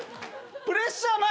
プレッシャーない。